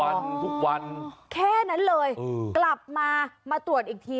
วันทุกวันแค่นั้นเลยกลับมามาตรวจอีกที